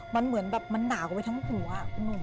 มันเหมือนแบบมันหน่ากลัวไปทั้งหัวอ่ะ